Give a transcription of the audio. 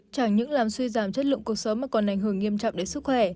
chẳng những làm suy giảm chất lượng cuộc sống mà còn ảnh hưởng nghiêm trọng đến sức khỏe